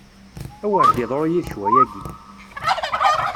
A wer d-iḍru yid-k wayagi!